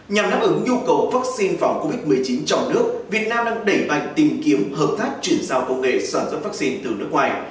nhằm đáp ứng nhu cầu vaccine phòng covid một mươi chín trong nước việt nam đang đẩy mạnh tìm kiếm hợp tác chuyển sao công nghệ sản xuất vaccine từ nước ngoài